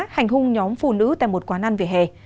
hành hung nhóm phụ nữ tại một quán ăn vỉa hè